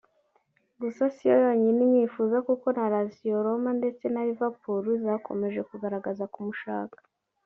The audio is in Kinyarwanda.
Gusa si yo yonyine imwifuza kuko na Lazio Roma ndetse na Liverpool zakomeje kugaragaza kumushaka